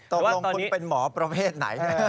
ตกลงคุณเป็นหมอประเภทไหน